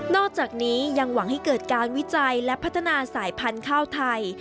อกจากนี้ยังหวังให้เกิดการวิจัยและพัฒนาสายพันธุ์ข้าวไทย